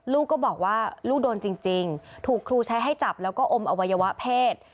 ลูกก็บอกว่าลูกโดนจริงถูกครูใช้ให้จับแล้วก็อมอวัยวะเพศ